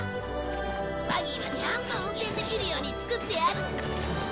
バギーはちゃんと運転できるように作ってある。